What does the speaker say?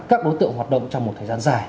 các đối tượng hoạt động trong một thời gian dài